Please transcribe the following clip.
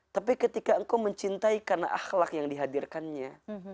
tapi ketika engkau mencintai karena akhlak yang dihadirkannya